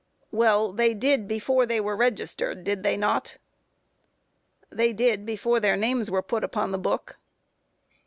Q. Well, they did before they were registered, did they not? A. They did before their names were put upon the book.